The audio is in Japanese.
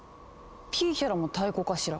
ピーヒャラも太鼓かしら？